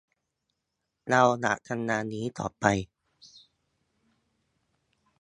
เราอยากทำงานนี้ต่อไป